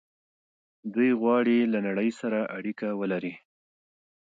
دوی غواړي له نړۍ سره اړیکه ولري.